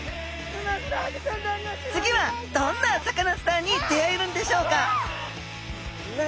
つぎはどんなサカナスターに出会えるんでしょうか？